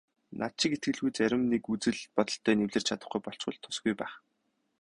Над шиг итгэлгүй зарим нэг үзэл бодолтой нь эвлэрч чадахгүй болчихвол тусгүй байх.